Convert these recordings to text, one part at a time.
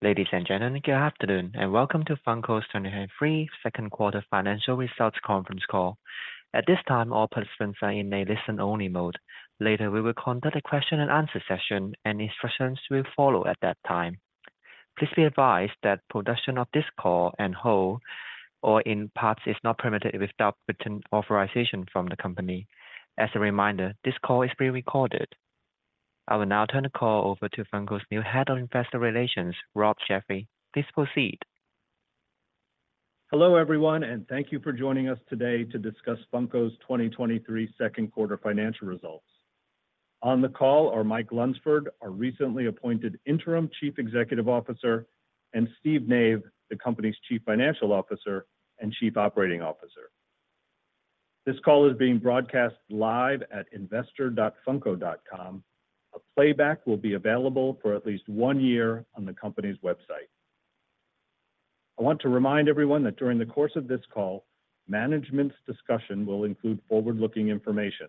Ladies and gentlemen, good afternoon, and welcome to Funko's 2023 Second Quarter Financial Results Conference Call. At this time, all participants are in a listen-only mode. Later, we will conduct a question-and-answer session, and instructions will follow at that time. Please be advised that production of this call and whole or in parts is not permitted without written authorization from the company. As a reminder, this call is pre-recorded. I will now turn the call over to Funko's new head of Investor Relations, Rob Cassidy. Please proceed. Hello, everyone, thank you for joining us today to discuss Funko's 2023 second quarter financial results. On the call are Mike Lunsford, our recently appointed Interim Chief Executive Officer, and Steve Nave, the company's Chief Financial Officer and Chief Operating Officer. This call is being broadcast live at investor.funko.com. A playback will be available for at least one year on the company's website. I want to remind everyone that during the course of this call, management's discussion will include forward-looking information.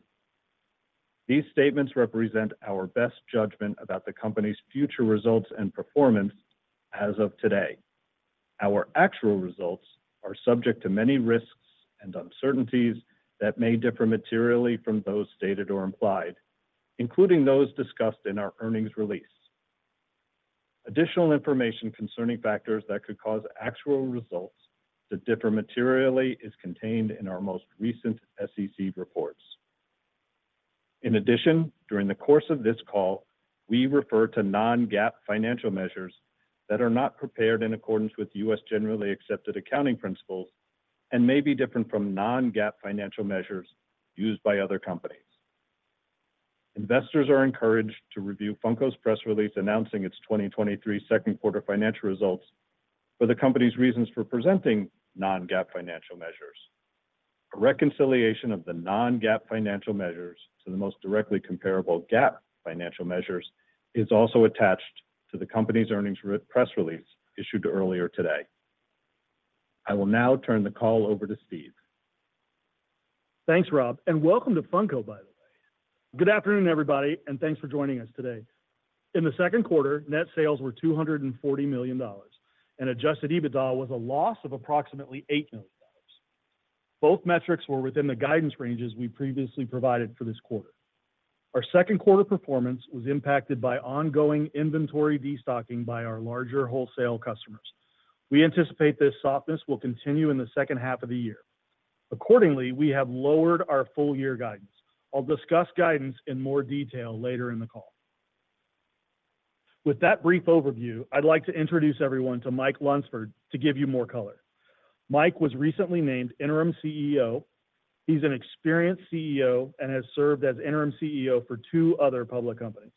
These statements represent our best judgment about the company's future results and performance as of today. Our actual results are subject to many risks and uncertainties that may differ materially from those stated or implied, including those discussed in our earnings release. Additional information concerning factors that could cause actual results to differ materially is contained in our most recent SEC reports. In addition, during the course of this call, we refer to non-GAAP financial measures that are not prepared in accordance with US generally accepted accounting principles and may be different from non-GAAP financial measures used by other companies. Investors are encouraged to review Funko's press release, announcing its 2023 second quarter financial results for the company's reasons for presenting non-GAAP financial measures. A reconciliation of the non-GAAP financial measures to the most directly comparable GAAP financial measures is also attached to the company's earnings press release issued earlier today. I will now turn the call over to Steve. Thanks, Rob, and welcome to Funko, by the way. Good afternoon, everybody, and thanks for joining us today. In the second quarter, net sales were $240 million, and adjusted EBITDA was a loss of approximately $8 million. Both metrics were within the guidance ranges we previously provided for this quarter. Our second quarter performance was impacted by ongoing inventory destocking by our larger wholesale customers. We anticipate this softness will continue in the second half of the year. Accordingly, we have lowered our full-year guidance. I'll discuss guidance in more detail later in the call. With that brief overview, I'd like to introduce everyone to Mike Lunsford to give you more color. Mike was recently named interim CEO. He's an experienced CEO and has served as interim CEO for two other public companies.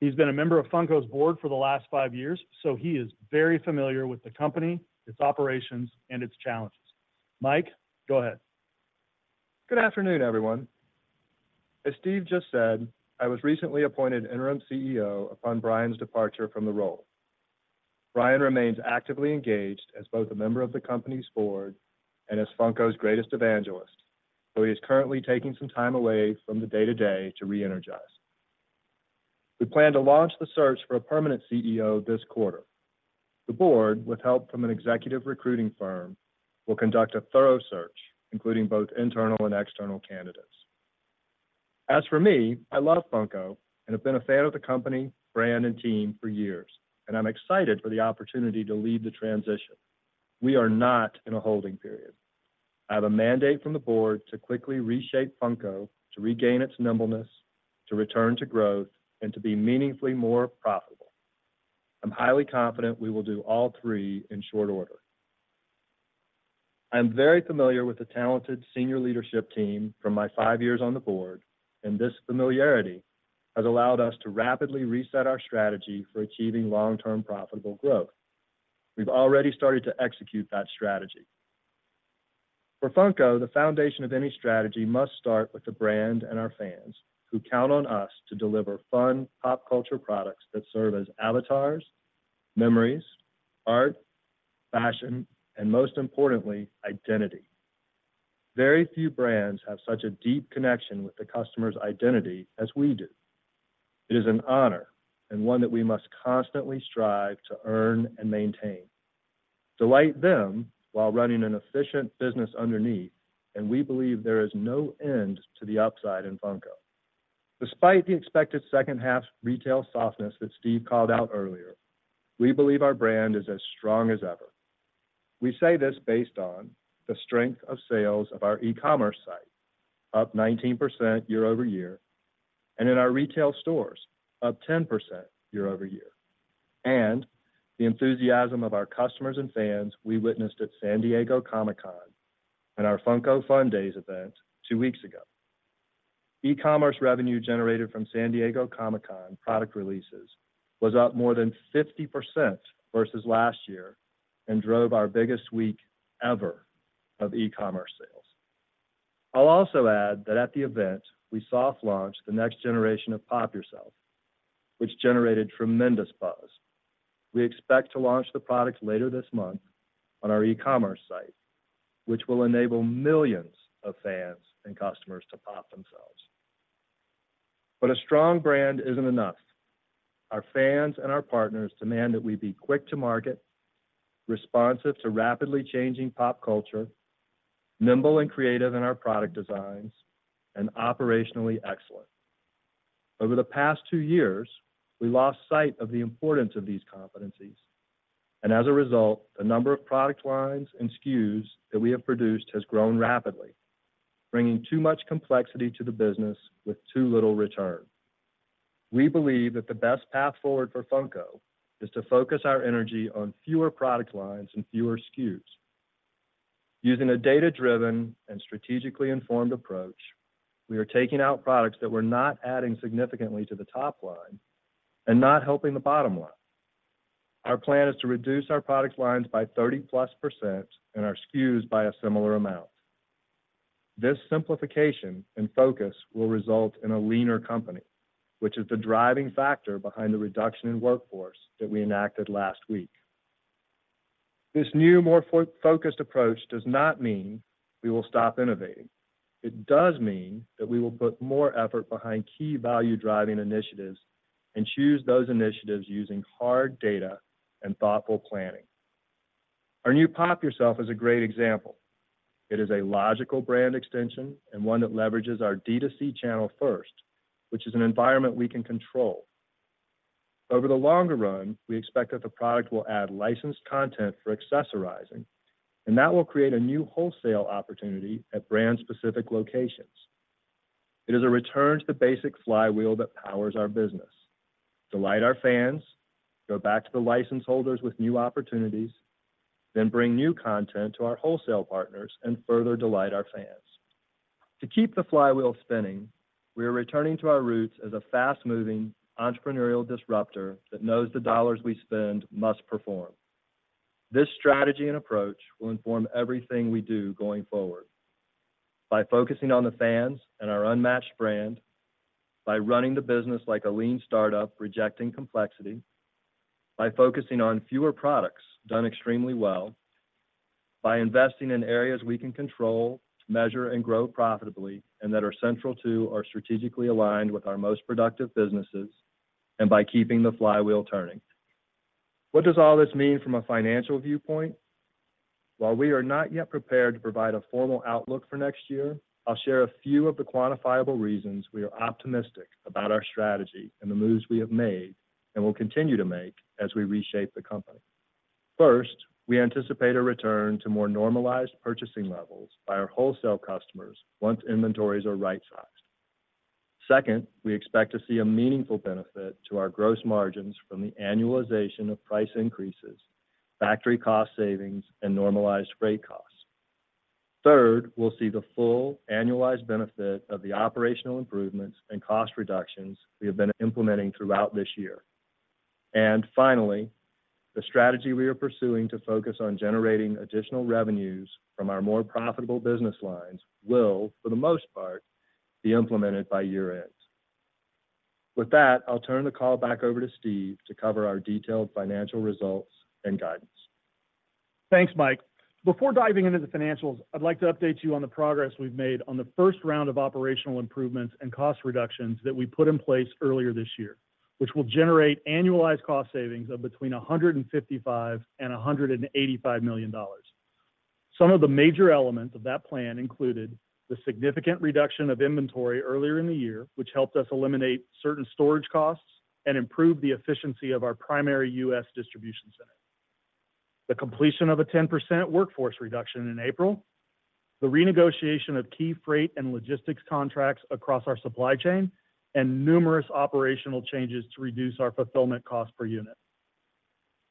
He's been a member of Funko's board for the last five years, so he is very familiar with the company, its operations, and its challenges. Mike, go ahead. Good afternoon, everyone. As Steve just said, I was recently appointed interim CEO upon Brian's departure from the role. Brian remains actively engaged as both a member of the company's board and as Funko's greatest evangelist, though he is currently taking some time away from the day-to-day to re-energize. We plan to launch the search for a permanent CEO this quarter. The board, with help from an executive recruiting firm, will conduct a thorough search, including both internal and external candidates. As for me, I love Funko and have been a fan of the company, brand, and team for years, and I'm excited for the opportunity to lead the transition. We are not in a holding period. I have a mandate from the board to quickly reshape Funko, to regain its nimbleness, to return to growth, and to be meaningfully more profitable. I'm highly confident we will do all three in short order. I'm very familiar with the talented senior leadership team from my five years on the board. This familiarity has allowed us to rapidly reset our strategy for achieving long-term profitable growth. We've already started to execute that strategy. For Funko, the foundation of any strategy must start with the brand and our fans, who count on us to deliver fun, pop culture products that serve as avatars, memories, art, fashion, and most importantly, identity. Very few brands have such a deep connection with the customer's identity as we do. It is an honor and one that we must constantly strive to earn and maintain. Delight them while running an efficient business underneath. We believe there is no end to the upside in Funko. Despite the expected second half retail softness that Steve called out earlier, we believe our brand is as strong as ever. We say this based on the strength of sales of our e-commerce site, up 19% year-over-year, and in our retail stores, up 10% year-over-year, and the enthusiasm of our customers and fans we witnessed at San Diego Comic-Con and our Funko Fundays event two weeks ago. E-commerce revenue generated from San Diego Comic-Con product releases was up more than 50% versus last year and drove our biggest week ever of e-commerce sales. I'll also add that at the event, we soft launched the next generation of Pop Yourself, which generated tremendous buzz. We expect to launch the product later this month on our e-commerce site, which will enable millions of fans and customers to pop themselves.... A strong brand isn't enough. Our fans and our partners demand that we be quick to market, responsive to rapidly changing pop culture, nimble and creative in our product designs, and operationally excellent. Over the past two years, we lost sight of the importance of these competencies, and as a result, the number of product lines and SKUs that we have produced has grown rapidly, bringing too much complexity to the business with too little return. We believe that the best path forward for Funko is to focus our energy on fewer product lines and fewer SKUs. Using a data-driven and strategically informed approach, we are taking out products that were not adding significantly to the top line and not helping the bottom line. Our plan is to reduce our product lines by 30% plus and our SKUs by a similar amount. This simplification and focus will result in a leaner company, which is the driving factor behind the reduction in workforce that we enacted last week. This new, more focused approach does not mean we will stop innovating. It does mean that we will put more effort behind key value-driving initiatives and choose those initiatives using hard data and thoughtful planning. Our new Pop Yourself is a great example. It is a logical brand extension and one that leverages our D2C channel first, which is an environment we can control. Over the longer run, we expect that the product will add licensed content for accessorizing, and that will create a new wholesale opportunity at brand-specific locations. It is a return to the basic flywheel that powers our business: delight our fans, go back to the license holders with new opportunities, then bring new content to our wholesale partners and further delight our fans. To keep the flywheel spinning, we are returning to our roots as a fast-moving, entrepreneurial disruptor that knows the dollars we spend must perform. This strategy and approach will inform everything we do going forward by focusing on the fans and our unmatched brand, by running the business like a lean startup, rejecting complexity, by focusing on fewer products done extremely well, by investing in areas we can control, measure, and grow profitably, and that are central to or strategically aligned with our most productive businesses, and by keeping the flywheel turning. What does all this mean from a financial viewpoint? While we are not yet prepared to provide a formal outlook for next year, I'll share a few of the quantifiable reasons we are optimistic about our strategy and the moves we have made and will continue to make as we reshape the company. First, we anticipate a return to more normalized purchasing levels by our wholesale customers once inventories are right-sized. Second, we expect to see a meaningful benefit to our gross margins from the annualization of price increases, factory cost savings, and normalized freight costs. Third, we'll see the full annualized benefit of the operational improvements and cost reductions we have been implementing throughout this year. Finally, the strategy we are pursuing to focus on generating additional revenues from our more profitable business lines will, for the most part, be implemented by year-end. With that, I'll turn the call back over to Steve to cover our detailed financial results and guidance. Thanks, Mike. Before diving into the financials, I'd like to update you on the progress we've made on the first round of operational improvements and cost reductions that we put in place earlier this year, which will generate annualized cost savings of between $155 to 185 million. Some of the major elements of that plan included the significant reduction of inventory earlier in the year, which helped us eliminate certain storage costs and improve the efficiency of our primary US distribution center. The completion of a 10% workforce reduction in April, the renegotiation of key freight and logistics contracts across our supply chain, and numerous operational changes to reduce our fulfillment cost per unit.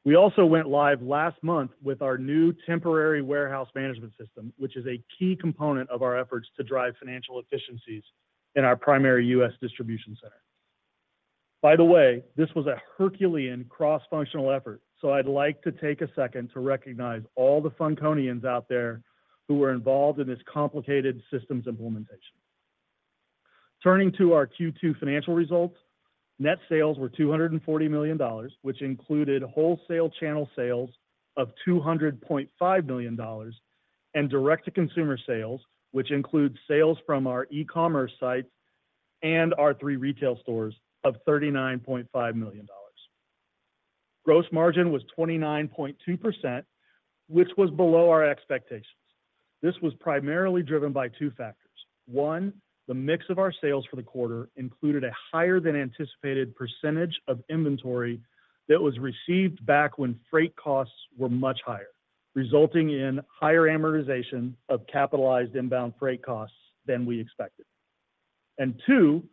We also went live last month with our new temporary warehouse management system, which is a key component of our efforts to drive financial efficiencies in our primary US distribution center. By the way, this was a Herculean cross-functional effort, so I'd like to take a second to recognize all the Funkonians out there who were involved in this complicated systems implementation. Turning to our second quarter financial results, net sales were $240 million, which included wholesale channel sales of $200.5 million, and direct-to-consumer sales, which includes sales from our e-commerce sites and our three retail stores of $39.5 million. Gross margin was 29.2%, which was below our expectations. This was primarily driven by two factors. One, the mix of our sales for the quarter included a higher-than-anticipated percentage of inventory that was received back when freight costs were much higher, resulting in higher amortization of capitalized inbound freight costs than we expected. Two,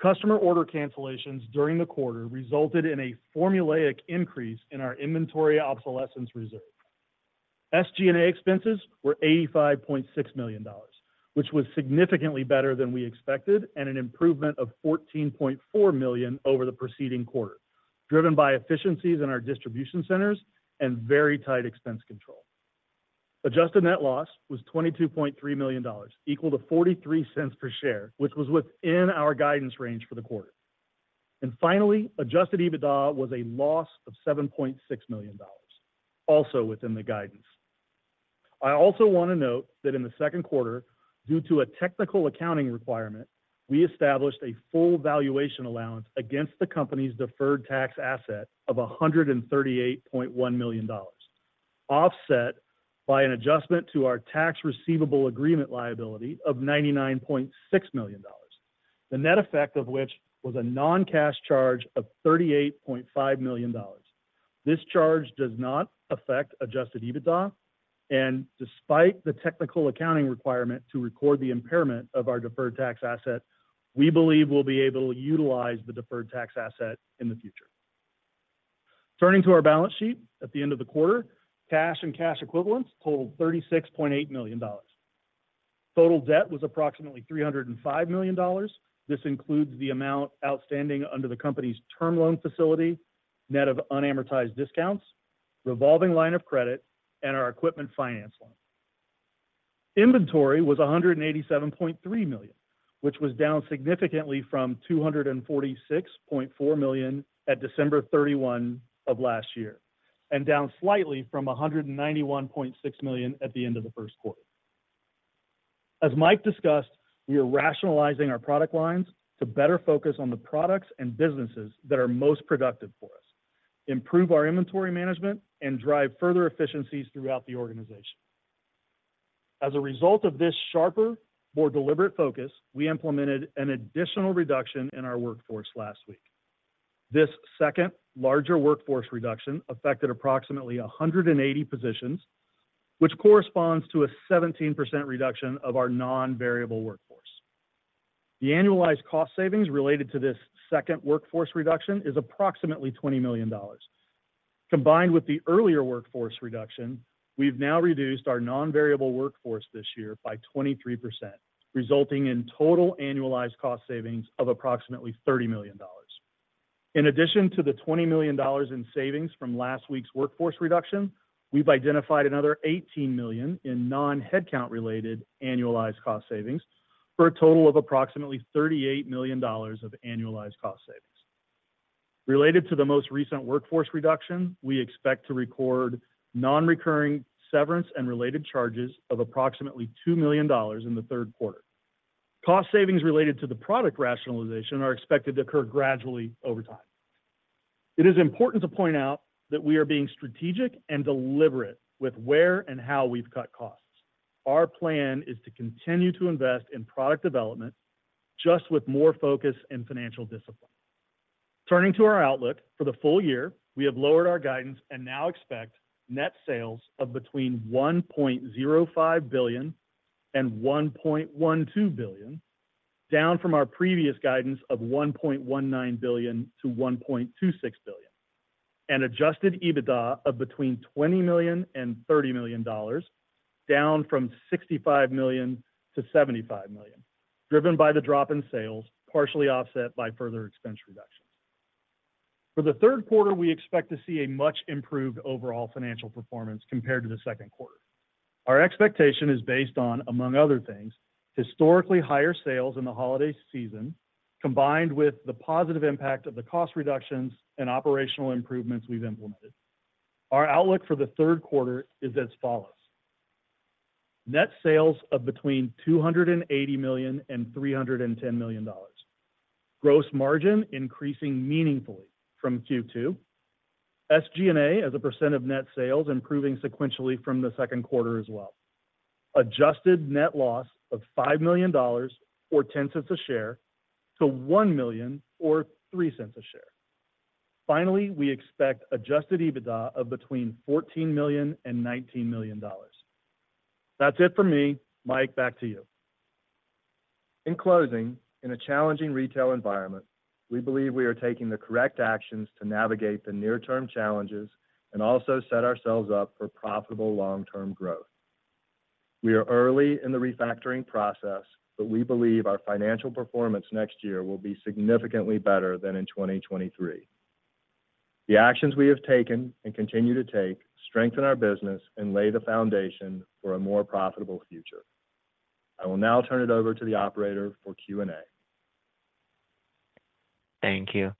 customer order cancellations during the quarter resulted in a formulaic increase in our inventory obsolescence reserve. SG&A expenses were $85.6 million, which was significantly better than we expected and an improvement of $14.4 million over the preceding quarter, driven by efficiencies in our distribution centers and very tight expense control. Adjusted net loss was $22.3 million, equal to $0.43 per share, which was within our guidance range for the quarter. Finally, adjusted EBITDA was a loss of $7.6 million, also within the guidance. I also want to note that in the second quarter, due to a technical accounting requirement, we established a full valuation allowance against the company's deferred tax asset of $138.1 million, offset by an adjustment to our tax receivable agreement liability of $99.6 million. The net effect of which was a non-cash charge of $38.5 million. This charge does not affect adjusted EBITDA, and despite the technical accounting requirement to record the impairment of our deferred tax asset, we believe we'll be able to utilize the deferred tax asset in the future. Turning to our balance sheet, at the end of the quarter, cash and cash equivalents totaled $36.8 million. Total debt was approximately $305 million. This includes the amount outstanding under the company's term loan facility, net of unamortized discounts, revolving line of credit, and our equipment finance loan. Inventory was $187.3 million, which was down significantly from $246.4 million at 31 December 2022, and down slightly from $191.6 million at the end of the first quarter. As Mike discussed, we are rationalizing our product lines to better focus on the products and businesses that are most productive for us, improve our inventory management, and drive further efficiencies throughout the organization. As a result of this sharper, more deliberate focus, we implemented an additional reduction in our workforce last week. This second larger workforce reduction affected approximately 180 positions, which corresponds to a 17% reduction of our non-variable workforce. The annualized cost savings related to this second workforce reduction is approximately $20 million. Combined with the earlier workforce reduction, we've now reduced our non-variable workforce this year by 23%, resulting in total annualized cost savings of approximately $30 million. In addition to the $20 million in savings from last week's workforce reduction, we've identified another $18 million in non-headcount-related annualized cost savings, for a total of approximately $38 million of annualized cost savings. Related to the most recent workforce reduction, we expect to record non-recurring severance and related charges of approximately $2 million in the third quarter. Cost savings related to the product rationalization are expected to occur gradually over time. It is important to point out that we are being strategic and deliberate with where and how we've cut costs. Our plan is to continue to invest in product development, just with more focus and financial discipline. Turning to our outlook for the full year, we have lowered our guidance and now expect net sales of between $1.05 billion and $1.12 billion, down from our previous guidance of $1.19 to 1.26 billion. Adjusted EBITDA of between $20 million and $30 million, down from $65 to 75 million, driven by the drop in sales, partially offset by further expense reductions. For the third quarter, we expect to see a much improved overall financial performance compared to the second quarter. Our expectation is based on, among other things, historically higher sales in the holiday season, combined with the positive impact of the cost reductions and operational improvements we've implemented. Our outlook for the third quarter is as follows: Net sales of between $280 million and $310 million. Gross margin increasing meaningfully from second quarter. SG&A, as a percent of net sales, improving sequentially from the second quarter as well. Adjusted net loss of $5 million or $0.10 a share to $1 million or $0.03 a share. Finally, we expect adjusted EBITDA of between $14 million and $19 million. That's it for me. Mike, back to you. In closing, in a challenging retail environment, we believe we are taking the correct actions to navigate the near-term challenges and also set ourselves up for profitable long-term growth. We are early in the refactoring process, but we believe our financial performance next year will be significantly better than in 2023. The actions we have taken and continue to take strengthen our business and lay the foundation for a more profitable future. I will now turn it over to the operator for Q&A. Thank you.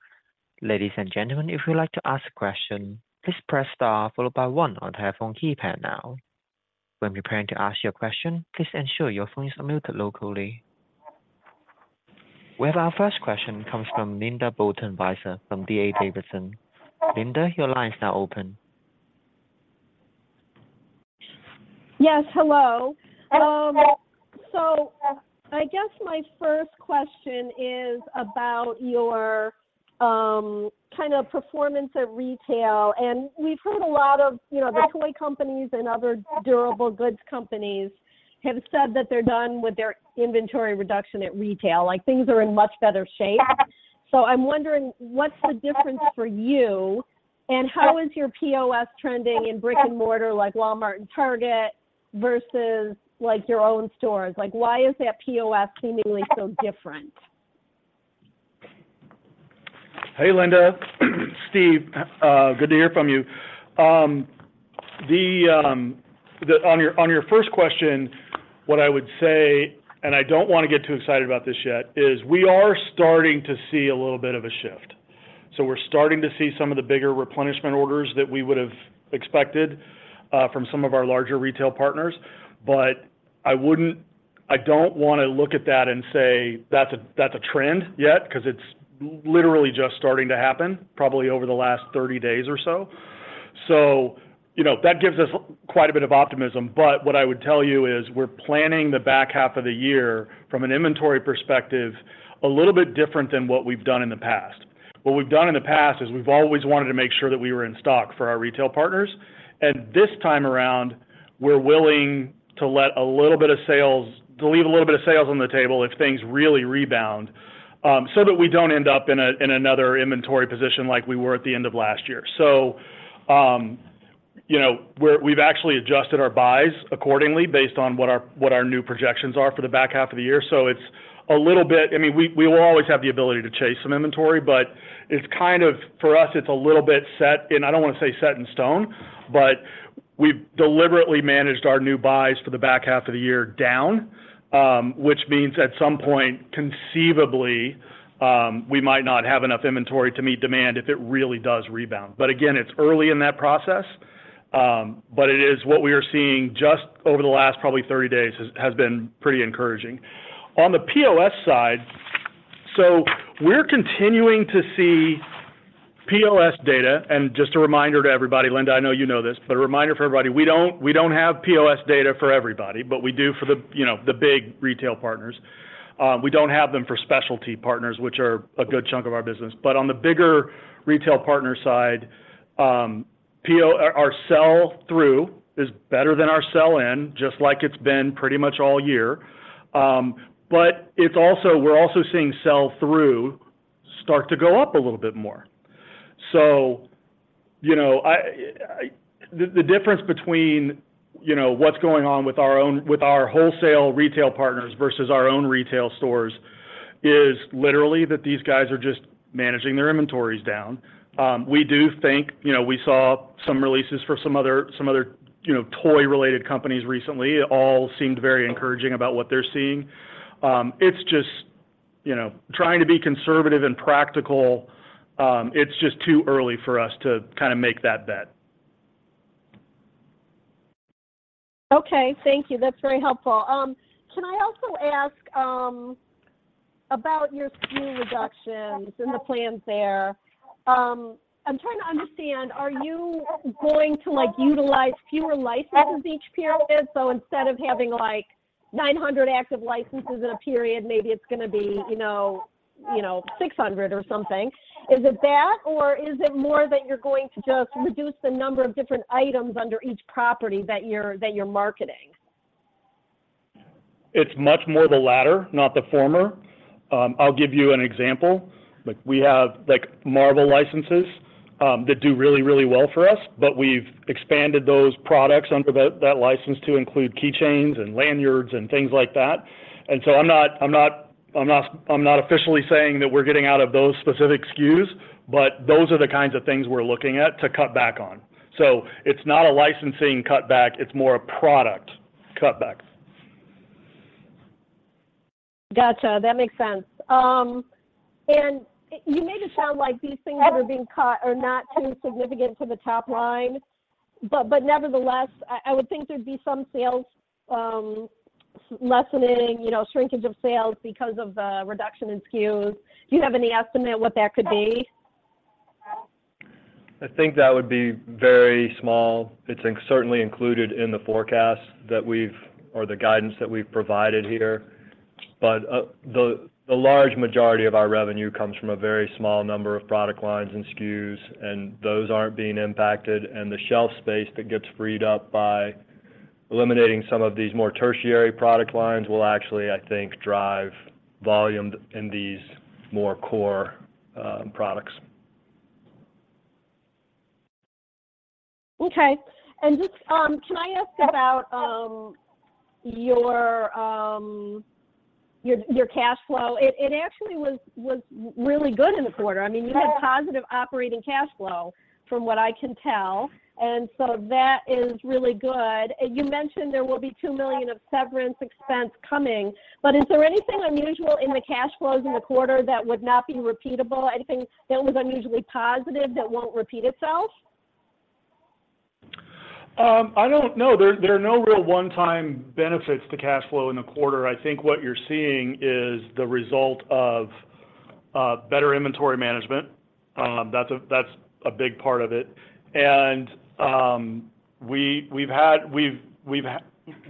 Ladies and gentlemen, if you'd like to ask a question, please press star followed by one on your phone keypad now. When preparing to ask your question, please ensure your phone is muted locally. We have our first question comes from Linda Bolton Weiser from D.A. Davidson. Linda, your line is now open. Yes, hello. So I guess my first question is about your kind of performance at retail. We've heard a lot of, you know, toy companies and other durable goods companies have said that they're done with their inventory reduction at retail, like, things are in much better shape. I'm wondering, what's the difference for you, and how is your POS trending in brick-and-mortar like Walmart and Target versus, like, your own stores? Like, why is that POS seemingly so different? Hey, Linda. Steve, good to hear from you. On your, on your first question, what I would say, and I don't wanna get too excited about this yet, is we are starting to see a little bit of a shift. We're starting to see some of the bigger replenishment orders that we would have expected from some of our larger retail partners. I don't want to look at that and say that's a, that's a trend yet, 'cause it's literally just starting to happen, probably over the last 30 days or so. You know, that gives us quite a bit of optimism, but what I would tell you is, we're planning the back half of the year from an inventory perspective, a little bit different than what we've done in the past. What we've done in the past, is we've always wanted to make sure that we were in stock for our retail partners. This time around, we're willing to let a little bit of sales... to leave a little bit of sales on the table if things really rebound, so that we don't end up in a, in another inventory position like we were at the end of last year. You know, we're... we've actually adjusted our buys accordingly, based on what our, what our new projections are for the back half of the year. It's a little bit... I mean, we, we will always have the ability to chase some inventory, but it's kind of... For us, it's a little bit set, and I don't want to say set in stone, but we've deliberately managed our new buys for the back half of the year down. Which means at some point, conceivably, we might not have enough inventory to meet demand if it really does rebound. Again, it's early in that process, but it is what we are seeing just over the last probably 30 days, has been pretty encouraging. On the POS side, so we're continuing to see POS data, and just a reminder to everybody, Linda, I know you know this, but a reminder for everybody, we don't have POS data for everybody, but we do for the, you know, the big retail partners. We don't have them for specialty partners, which are a good chunk of our business. On the bigger retail partner side, our, our sell through is better than our sell in, just like it's been pretty much all year. It's also, we're also seeing sell through start to go up a little bit more. You know, I the, the difference between, you know, what's going on with our own, with our wholesale retail partners versus our own retail stores, is literally that these guys are just managing their inventories down. We do think, you know, we saw some releases for some other, some other, you know, toy-related companies recently. It all seemed very encouraging about what they're seeing. It's just, you know, trying to be conservative and practical, it's just too early for us to kind of make that bet. Okay, thank you. That's very helpful. Can I also ask about your SKU reductions and the plans there? I'm trying to understand, are you going to, like, utilize fewer licenses each period? Instead of having, like, 900 active licenses in a period, maybe it's gonna be, you know, you know, 600 or something. Is it that, or is it more that you're going to just reduce the number of different items under each property that you're, that you're marketing? It's much more the latter, not the former. I'll give you an example. Like, we have, like, Marvel licenses that do really, really well for us, but we've expanded those products under that, that license to include key chains, and lanyards, and things like that. I'm not, I'm not, I'm not, I'm not officially saying that we're getting out of those specific SKUs, but those are the kinds of things we're looking at to cut back on. It's not a licensing cutback, it's more a product cutback. Gotcha, that makes sense. You made it sound like these things that are being cut are not too significant to the top line, but, but nevertheless, I, I would think there'd be some sales, lessening, you know, shrinkage of sales because of reduction in SKUs. Do you have any estimate what that could be? I think that would be very small. It's certainly included in the forecast that we've or the guidance that we've provided here. The, the large majority of our revenue comes from a very small number of product lines and SKUs, and those aren't being impacted, and the shelf space that gets freed up by eliminating some of these more tertiary product lines, will actually, I think, drive volume in these more core products. Okay. And just, can I ask about, your, your, your cash flow? It, it actually was, was really good in the quarter. I mean, you had positive operating cash flow, from what I can tell, and so that is really good. You mentioned there will be $2 million of severance expense coming, but is there anything unusual in the cash flows in the quarter that would not be repeatable? Anything that was unusually positive that won't repeat itself? I don't know. There, there are no real one-time benefits to cash flow in the quarter. I think what you're seeing is the result of better inventory management. That's a, that's a big part of it. We, we've had... we've, we've,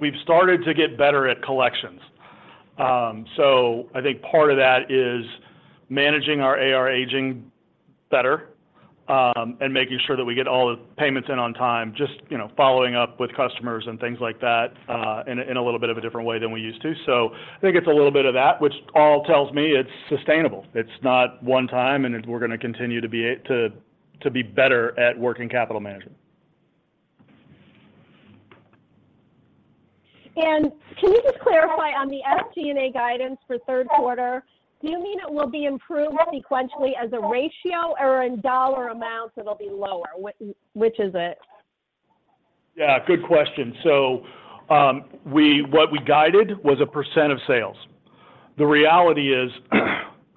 we've started to get better at collections. I think part of that is managing our AR aging better, and making sure that we get all the payments in on time, just, you know, following up with customers and things like that in a little bit of a different way than we used to. I think it's a little bit of that, which all tells me it's sustainable. It's not one time, and we're gonna continue to be to, to be better at working capital management. Can you just clarify on the SG&A guidance for third quarter, do you mean it will be improved sequentially as a ratio or in dollar amounts, it'll be lower? Which, which is it? Yeah, good question. So, we, what we guided was a percent of sales. The reality is,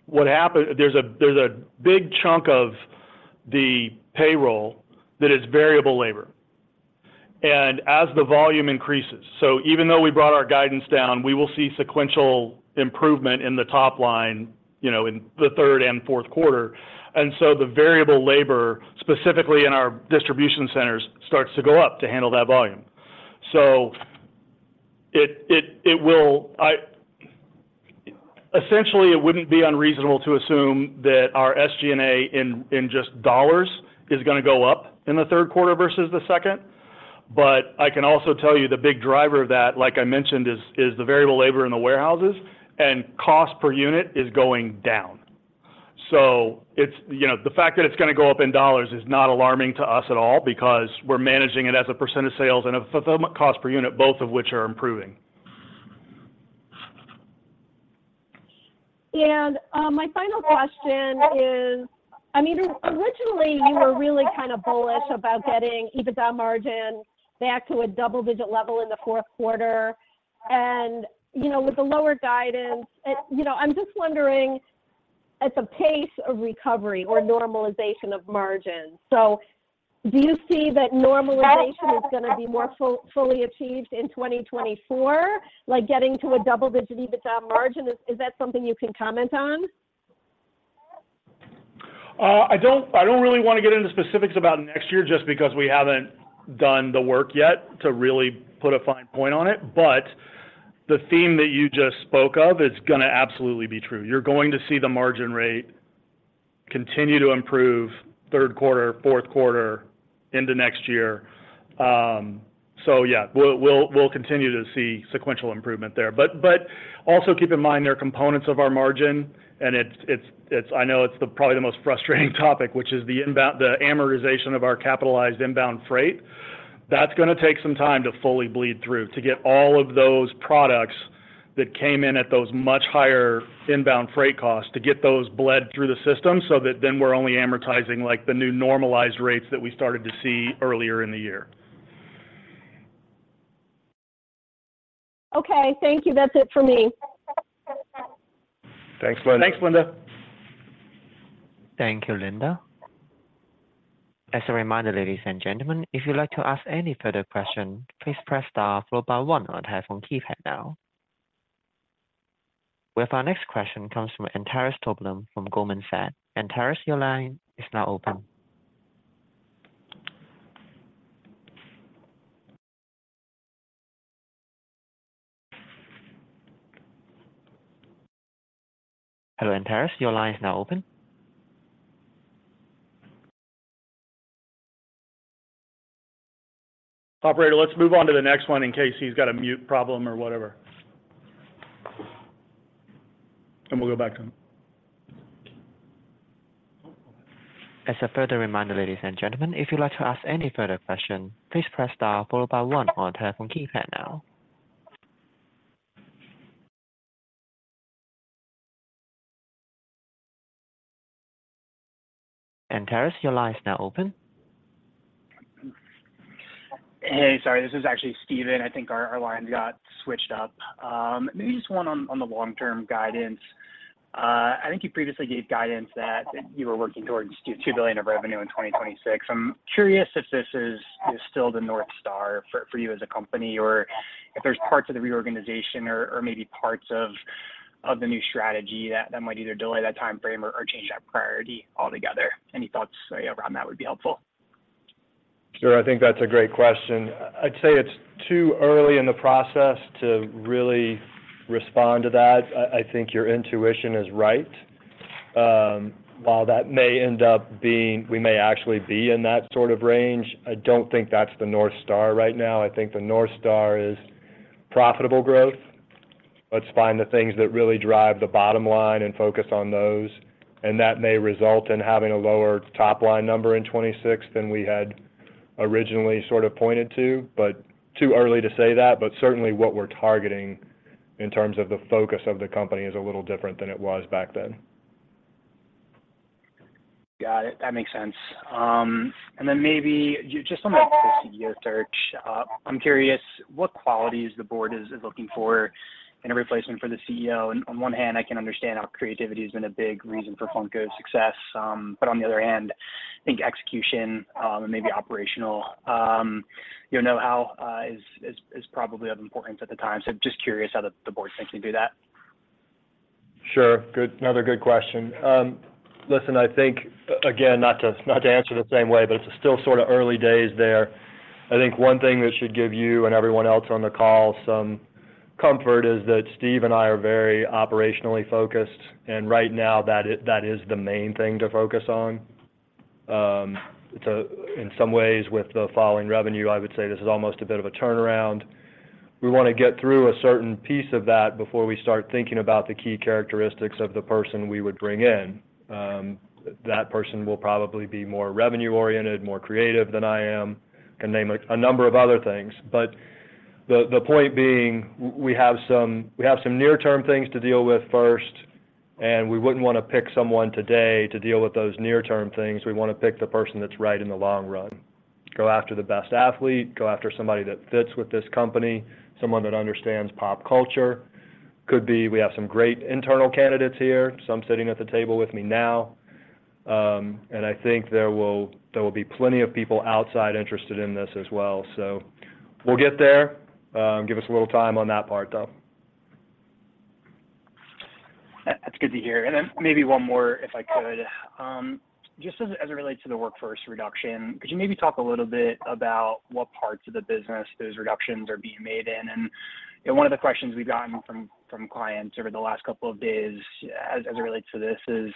what happened, there's a, there's a big chunk of the payroll that is variable labor. As the volume increases, so even though we brought our guidance down, we will see sequential improvement in the top line, you know, in the third and fourth quarter. So, the variable labor, specifically in our distribution centers, starts to go up to handle that volume. So essentially, it wouldn't be unreasonable to assume that our SG&A in just dollars is gonna go up in the third quarter versus the second. I can also tell you the big driver of that, like I mentioned is the variable labor in the warehouses, and cost per unit is going down. You know, the fact that it's gonna go up in dollars is not alarming to us at all because we're managing it as a percent of sales and a fulfillment cost per unit, both of which are improving. My final question is, I mean, originally, you were really kind of bullish about getting EBITDA margin back to a double-digit level in the fourth quarter. You know, with the lower guidance, you know, I'm just wondering at the pace of recovery or normalization of margins. Do you see that normalization is gonna be more fully achieved in 2024? Like, getting to a double-digit EBITDA margin, is, is that something you can comment on? I don't, I don't really wanna get into specifics about next year just because we haven't done the work yet to really put a fine point on it. The theme that you just spoke of is gonna absolutely be true. You're going to see the margin rate continue to improve third quarter, fourth quarter into next year. We'll, we'll, we'll continue to see sequential improvement there. Also keep in mind there are components of our margin, and it's, I know it's the, probably the most frustrating topic, which is the amortization of our capitalized inbound freight. That's gonna take some time to fully bleed through, to get all of those products that came in at those much higher inbound freight costs, to get those bled through the system, so that then we're only amortizing, like, the new normalized rates that we started to see earlier in the year. Okay, thank you. That's it for me. Thanks, Linda. Thanks, Linda. Thank you, Linda. As a reminder, ladies and gentlemen, if you'd like to ask any further question, please press star followed by one on your telephone keypad now. With our next question comes from Antares Tobelem from Goldman Sachs. Antares, your line is now open. Hello, Antares, your line is now open. Operator, let's move on to the next one in case he's got a mute problem or whatever. We'll go back to him. As a further reminder, ladies and gentlemen, if you'd like to ask any further question, please press star followed by one on your telephone keypad now. Antares, your line is now open. Hey, sorry, this is actually Stephen. I think our lines got switched up. Maybe just one on, on the long-term guidance. I think you previously gave guidance that you were working towards $2 billion of revenue in 2026. I'm curious if this is, is still the North Star for you as a company, or if there's parts of the reorganization or maybe parts of the new strategy that, that might either delay that time frame or change that priority altogether. Any thoughts around that would be helpful? Sure. I think that's a great question. I'd say it's too early in the process to really respond to that. I think your intuition is right. While that may end up being, we may actually be in that sort of range, I don't think that's the North Star right now. I think the North Star is profitable growth. Let's find the things that really drive the bottom line and focus on those, and that may result in having a lower top-line number in 2026 than we had originally sort of pointed to, but too early to say that. Certainly, what we're targeting in terms of the focus of the company is a little different than it was back then. Got it. That makes sense. Then maybe just on the CEO search, I'm curious what qualities the board is looking for in a replacement for the CEO. On one hand, I can understand how creativity has been a big reason for Funko's success, but on the other hand, I think execution, and maybe operational, you know, how is probably of importance at the time. Just curious how the board thinks we do that. Sure. Good. Another good question. Listen, I think, again, not to, not to answer the same way, but it's still sort of early days there. I think one thing that should give you and everyone else on the call some comfort is that Steve and I are very operationally focused. Right now, that is, that is the main thing to focus on. In some ways, with the following revenue, I would say this is almost a bit of a turnaround. We want to get through a certain piece of that before we start thinking about the key characteristics of the person, we would bring in. That person will probably be more revenue-oriented, more creative than I am. I can name a, a number of other things, but... The point being, we have some, we have some near-term things to deal with first. We wouldn't want to pick someone today to deal with those near-term things. We want to pick the person that's right in the long run. Go after the best athlete, go after somebody that fits with this company, someone that understands pop culture. Could be we have some great internal candidates here, some sitting at the table with me now. I think there will be plenty of people outside interested in this as well. We'll get there, give us a little time on that part, though. That's good to hear. Then maybe one more, if I could. Just as, as it relates to the workforce reduction, could you maybe talk a little bit about what parts of the business those reductions are being made in? You know, one of the questions we've gotten from, from clients over the last couple of days as, as it relates to this is,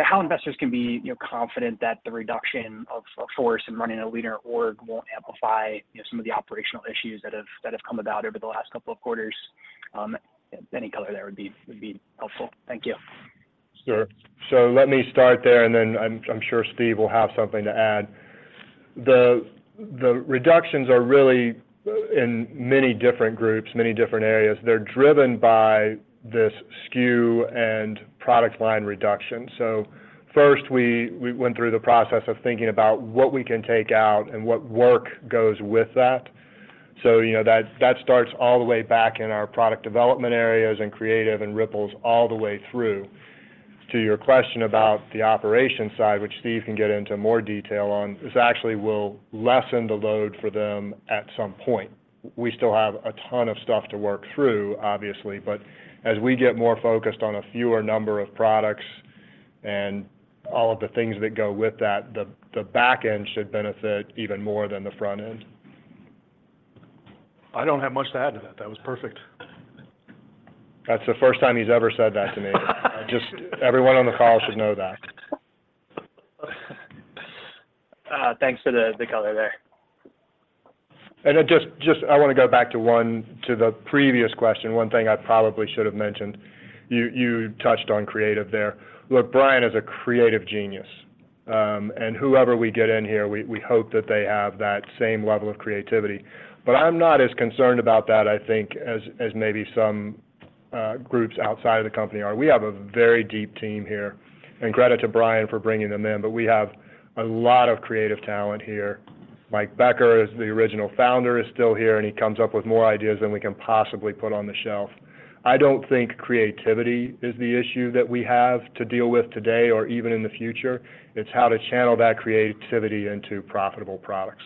how investors can be, you know, confident that the reduction of force and running a leaner org won't amplify, you know, some of the operational issues that have come about over the last couple of quarters? Any color there would be, would be helpful. Thank you. Sure. Let me start there, and then I'm, I'm sure Steve will have something to add. The, the reductions are really in many different groups, many different areas. They're driven by this SKU and product line reduction. First, we, we went through the process of thinking about what we can take out and what work goes with that. You know, that, that starts all the way back in our product development areas and creative and ripples all the way through. To your question about the operation side, which Steve can get into more detail on, this actually will lessen the load for them at some point. We still have a ton of stuff to work through, obviously, but as we get more focused on a fewer number of products and all of the things that go with that, the back end should benefit even more than the front end. I don't have much to add to that. That was perfect. That's the first time he's ever said that to me. Just everyone on the call should know that. Thanks for the, the color there. Just, I want to go back to the previous question, one thing I probably should have mentioned, you, you touched on creative there. Look, Brian is a creative genius, and whoever we get in here, we, we hope that they have that same level of creativity. I'm not as concerned about that, I think, as, as maybe some groups outside of the company are. We have a very deep team here, and credit to Brian for bringing them in, but we have a lot of creative talent here. Mike Becker is the original founder, is still here, and he comes up with more ideas than we can possibly put on the shelf. I don't think creativity is the issue that we have to deal with today or even in the future. It's how to channel that creativity into profitable products.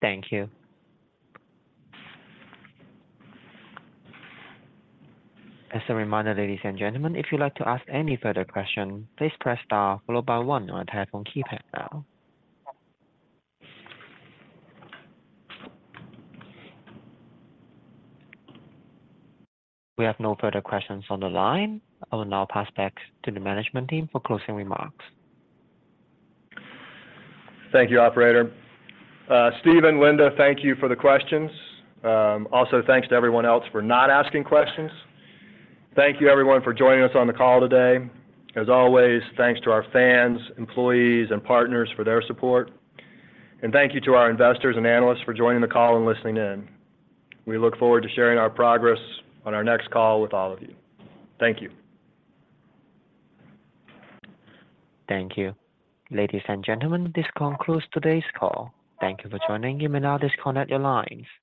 Thank you. As a reminder, ladies and gentlemen, if you'd like to ask any further question, please press star followed by one on your telephone keypad now. We have no further questions on the line. I will now pass back to the management team for closing remarks. Thank you, operator. Steve and Linda, thank you for the questions. Also, thanks to everyone else for not asking questions. Thank you, everyone, for joining us on the call today. As always, thanks to our fans, employees, and partners for their support. Thank you to our investors and analysts for joining the call and listening in. We look forward to sharing our progress on our next call with all of you. Thank you. Thank you. Ladies and gentlemen, this concludes today's call. Thank you for joining. You may now disconnect your lines.